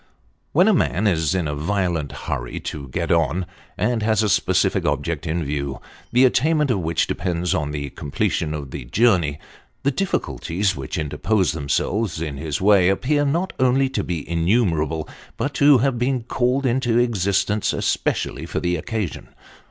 When a man is in a violent hurry to get on, and has a specific object in view, the attainment of which depends on the completion of his journey, the difficulties which interpose themselves in his way appear not only to be innumerable, but to have been called into existence especially for the occasion.